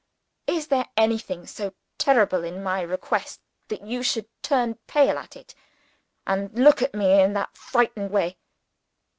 "Is there anything so very terrible in my request that you should turn pale at it, and look at me in that frightened way?